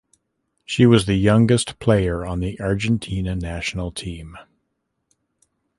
She was the youngest player on the Argentina national team.